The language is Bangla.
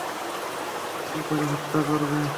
গুলি করে হত্যা করবে।